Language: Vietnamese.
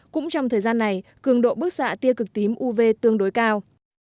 cũng trong thời gian này cường độ bức xạ tia cực tím uv tương đối cao